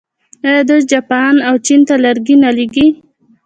آیا دوی جاپان او چین ته لرګي نه لیږي؟